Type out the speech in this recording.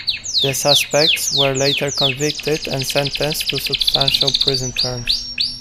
The suspects were later convicted and sentenced to substantial prison terms.